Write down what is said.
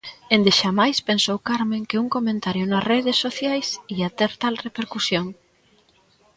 Endexamais pensou Carmen que un comentario nas redes sociais ía ter tal repercusión.